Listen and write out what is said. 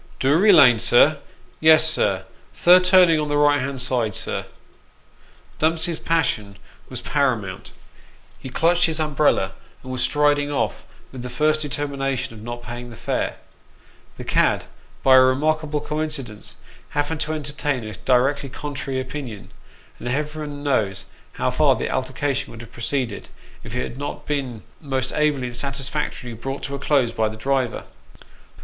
" Doory Lane, sir ? yes, sir, third turning on the right hand side, sir." Dumps's passion was paramount : he clutched his umbrella, and was striding off with the firm determination of not paying the fare. A Liberal Offer. 361 Tlie cad, by a remarkable coincidence, happened to entertain a directly contrary opinion, and Heaven knows how far the altercation would have proceeded, if it had not been most ably and satisfactorily brought to a close by the driver.